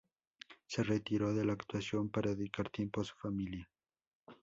Se retiró de la actuación para dedicar tiempo a su familia.